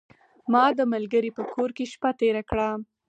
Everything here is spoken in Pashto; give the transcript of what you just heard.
ما د ملګري په کور کې شپه تیره کړه .